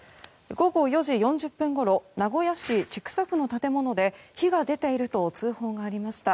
午後４時４０分ごろ名古屋市千種区の建物で火が出ていると通報がありました。